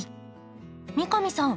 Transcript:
三上さん